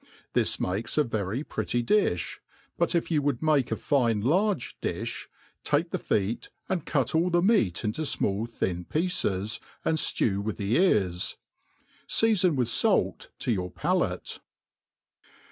This makes a very pretty difli; but if y^u would make a fine large di{b, take the feet, and cut all the meat in fmall thin pieces, and flew with the ears. Seafon with fait to your palate.